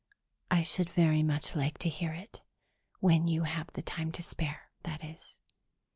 "I should very much like to hear it. When you have the time to spare, that is."